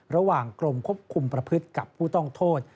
ระหว่างกรมควบคุมประพฤติกับผู้ต้องโทษ